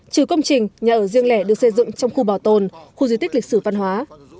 trừ công trình nhà ở riêng lẻ được xây dựng trong khu bảo tồn khu di tích lịch sử văn hóa